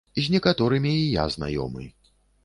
З некаторымі і я знаёмы.